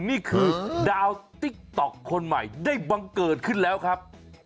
นี่คือดาวติ๊กต๊อกคนใหม่ได้บังเกิดขึ้นแล้วครับ